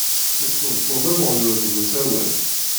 Isṭeẓṭuẓ am uɣyul deg usawen.